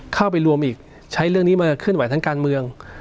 เข้าไปรวมอีกใช้เรื่องนี้มาเคลื่อนไหวทางการเมือง